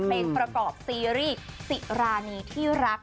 เป็นประกอบซีรีส์สิรานีที่รัก